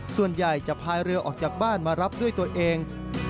ส่วนใหญ่จะพายเรือออกจากบ้านมารับด้วยตัวเอง